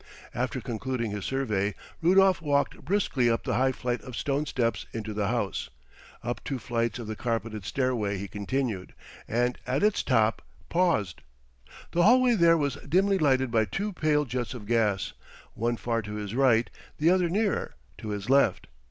After concluding his survey Rudolf walked briskly up the high flight of stone steps into the house. Up two flights of the carpeted stairway he continued; and at its top paused. The hallway there was dimly lighted by two pale jets of gas—one far to his right, the other nearer, to his left.